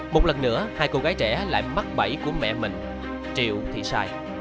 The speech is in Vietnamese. một lần nữa hai cô gái trẻ lại mắc bẫy của mẹ mình triệu thị sai